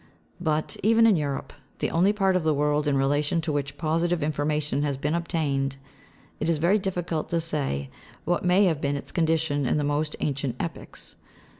But, even in Europe, the only part of the world in relation to which positive information has been obtained, it is very difficult to say what may have been its condition in the most ancient epochs.